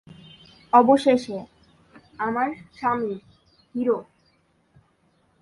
অবশেষে, আমার স্বামী, হিরো।